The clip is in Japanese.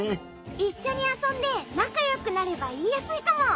いっしょにあそんでなかよくなればいいやすいかも。